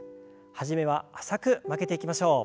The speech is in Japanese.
初めは浅く曲げていきましょう。